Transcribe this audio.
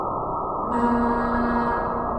杨朝晟率军迎接张献甫到任。